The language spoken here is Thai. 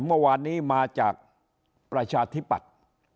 เมื่อวานนี้มาจากประชาธิปัตย์